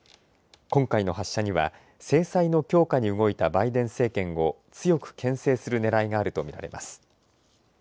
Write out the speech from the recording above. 今回の発射には、制裁の強化に動いたバイデン政権を、強くけん制するねらいがあると見られます。